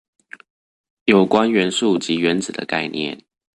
有關元素及原子的概念